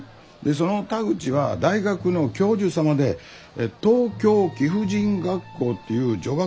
その田口は大学の教授様で東京貴婦人学校っていう女学校の校長もやってるんだ。